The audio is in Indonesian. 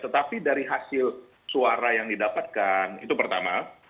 tetapi dari hasil suara yang didapatkan itu pertama